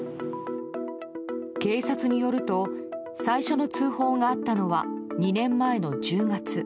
警察によると最初の通報があったのは２年前の１０月。